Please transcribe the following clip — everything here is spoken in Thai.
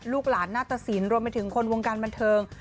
ลูกหลานหน้าตะสินรวมไปถึงคนวงการบันเทิง